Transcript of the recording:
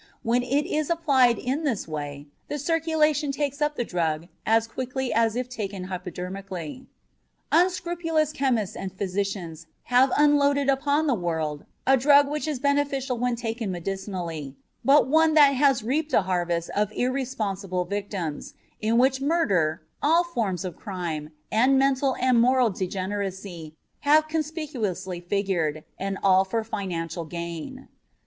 When it is applied in this way, the circulation takes up the drug as quickly as if taken hypodermically. Unscrupulous chemists and physicians have unloaded upon the world a drug which is beneficial when taken medicinally, but one that has reaped a harvest of irresponsible victims, in which murder, all forms of crime, and mental and moral degeneracy have conspicuously figured, and all for financial gain.